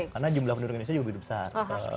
karena jumlah penduduk di indonesia juga lebih besar